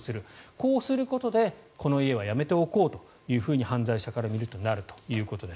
こうすることでこの家はやめておこうと犯罪者から見るとなるということです。